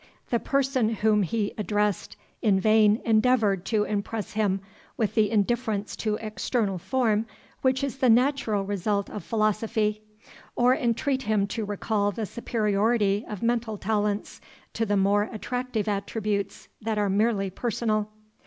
The person whom he addressed in vain endeavoured to impress him with the indifference to external form which is the natural result of philosophy, or entreat him to recall the superiority of mental talents to the more attractive attributes that are merely personal.